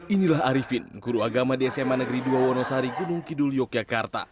inilah arifin guru agama di sma negeri dua wonosari gunung kidul yogyakarta